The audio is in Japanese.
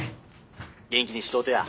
元気にしとうとや。